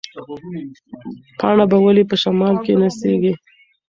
پاڼه به ولې په شمال کې نڅېږي؟